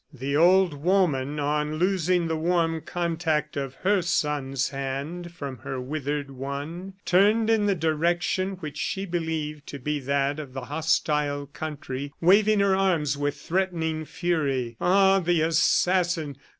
The old woman, on losing the warm contact of her son's hand from her withered one, turned in the direction which she believed to be that of the hostile country, waving her arms with threatening fury. "Ah, the assassin!